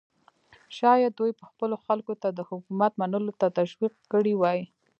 شاید دوی به خپلو خلکو ته د حکومت منلو ته تشویق کړي وای.